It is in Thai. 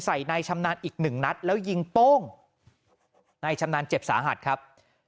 ใส่ในชำนาญอีก๑นัดแล้วยิงโป้งในชำนาญเจ็บสาหัสครับ